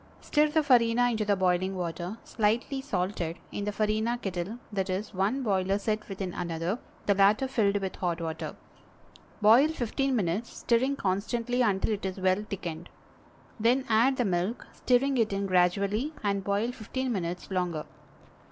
Stir the farina into the boiling water (slightly salted) in the farina kettle (i. e., one boiler set within another, the latter filled with hot water). Boil fifteen minutes, stirring constantly until it is well thickened. Then add the milk, stirring it in gradually, and boil fifteen minutes longer.